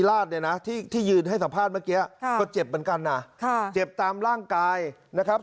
อ่าเจ็บตามร่างกายนะครับ